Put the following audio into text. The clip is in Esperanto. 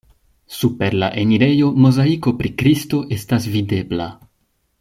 Super la enirejo mozaiko pri Kristo estas videbla.